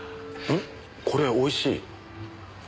これおいしい。